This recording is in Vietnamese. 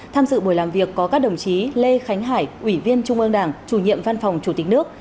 tham dự buổi làm việc có các đồng chí lê khánh hải ủy viên trung ương đảng chủ nhiệm văn phòng chủ tịch nước